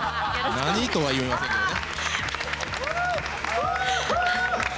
何とは言いませんけどね。